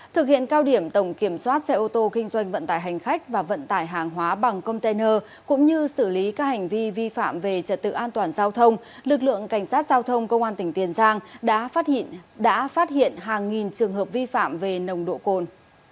thực hiện cao điểm tổng kiểm soát xe ô tô kinh doanh vận tải hành khách và vận tải hàng hóa bằng container cũng như xử lý các hành vi vi phạm về trật tự an toàn giao thông lực lượng cảnh sát giao thông công an tỉnh tiền giang đã phát hiện hàng nghìn trường hợp vi phạm về nồng độ cồn